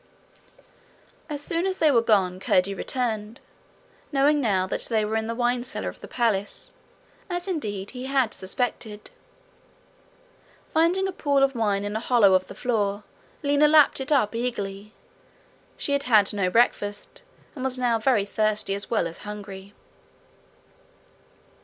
As soon as they were gone, Curdie returned, knowing now that they were in the wine cellar of the palace, as indeed, he had suspected. Finding a pool of wine in a hollow of the floor, Lina lapped it up eagerly: she had had no breakfast, and was now very thirsty as well as hungry.